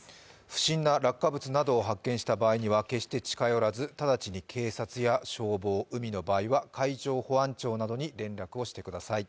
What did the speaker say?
不審な落下物などを発見した場合には決して近寄らず直ちに警察や消防、海の場合は海上保安庁などに連絡をしてください。